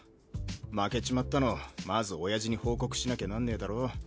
負けちまったのまずオヤジに報告しなきゃなんねえだろ。